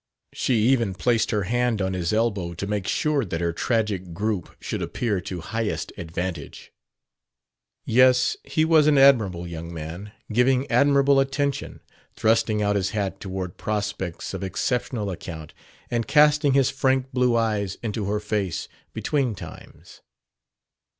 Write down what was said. She even placed her hand on his elbow to make sure that her tragic group should appear to highest advantage. Yes, he was an admirable young man, giving admirable attention; thrusting out his hat toward prospects of exceptional account and casting his frank blue eyes into her face between times.